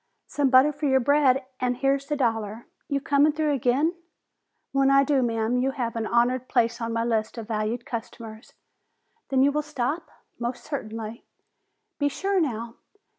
"Some butter for your bread, an' here's the dollar. You comin' through again?" "When I do, ma'am, you have an honored place on my list of valued customers." "Then you will stop?" "Most certainly." "Be sure now."